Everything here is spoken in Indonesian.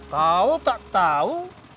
tahu tak tahu